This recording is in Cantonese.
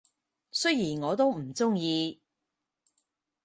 雖然我都唔鍾意